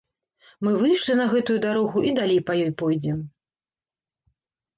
Мы выйшлі на гэтую дарогу і далей па ёй пойдзем.